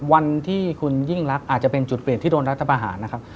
วันที่คุณยิ่งรักอาจจะเป็นจุดเปลี่ยนที่โดนรัฐบาหารนะครับ